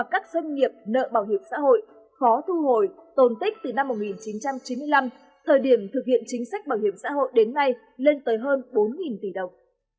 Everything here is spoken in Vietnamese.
các doanh nghiệp nợ bảo hiểm xã hội khó thu hồi tồn tích từ năm một nghìn chín trăm chín mươi năm thời điểm thực hiện chính sách bảo hiểm xã hội đến nay lên tới hơn bốn tỷ đồng